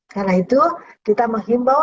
karena itu kita menghimbau